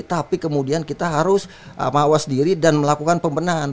tapi kemudian kita harus mawas diri dan melakukan pembenahan